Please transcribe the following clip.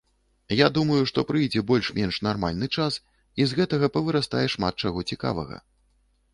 Я думаю, што прыйдзе больш-менш нармальны час, з гэтага павырастае шмат чаго цікавага.